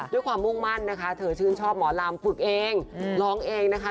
ด้วยความมุ่งมั่นนะคะเธอชื่นชอบหมอลำฝึกเองร้องเองนะคะ